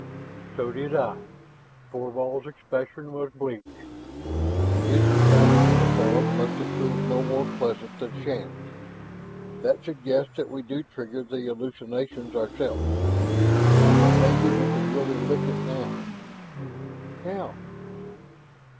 "So did I." Thorvald's expression was bleak; his encounters in the fog must have proved no more pleasant than Shann's. "That suggests that we do trigger the hallucinations ourselves. But maybe we can really lick it now." "How?"